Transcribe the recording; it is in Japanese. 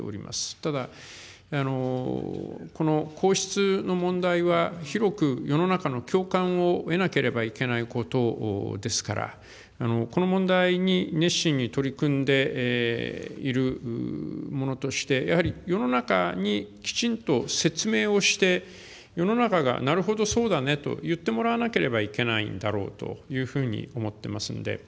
ただ、この皇室の問題は、広く世の中の共感を得なければいけないことですから、この問題に熱心に取り組んでいる者として、やはり世の中にきちんと説明をして、世の中が、なるほど、そうだねと言ってもらわなければいけないんだろうというふうに思ってますんで。